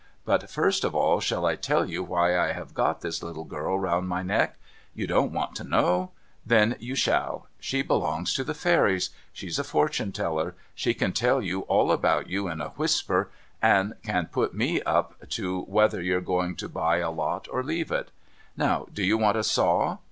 But first of all, shall I tell you why I have got this little girl round my neck ? You don't want to know ? Then you shall. She belongs to the Fairies. She's a fortune teller. She can tell me all about you in a whisper, and can put me up to LITTLE SOPHY FADING AWAY 389 whether you're going to buy a lot or leave it. Now do you want a saw